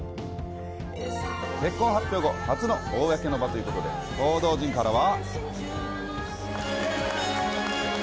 結婚発表後、初の公の場ということで、報道陣からは。